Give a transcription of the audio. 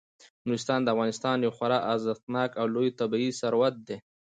نورستان د افغانستان یو خورا ارزښتناک او لوی طبعي ثروت دی.